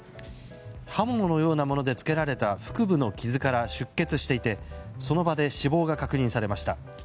刃物のようなものでつけられた腹部の傷から出血していてその場で死亡が確認されました。